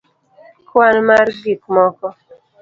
kwan mar gik moko